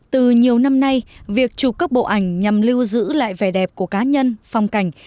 từ nhiều năm nay việc chụp các bộ ảnh nhằm lưu giữ lại vẻ đẹp của cá nhân phong cảnh